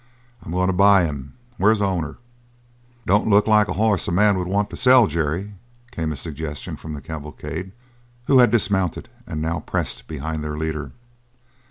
I'm going to buy him; where's the owner?" "Don't look like a hoss a man would want to sell, Jerry," came a suggestion from the cavalcade, who had dismounted and now pressed behind their leader.